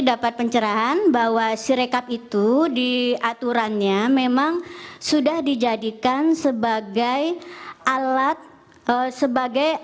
dapat pencerahan bahwa sirekap itu diaturannya memang sudah dijadikan sebagai alat sebagai